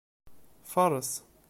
Faṛes.